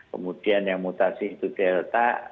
kemudian yang mutasi itu delta